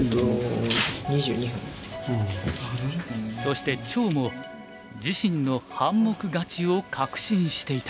そして張も自身の半目勝ちを確信していた。